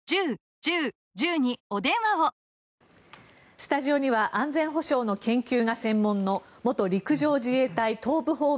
スタジオには安全保障の研究が専門の元陸上自衛隊東部方面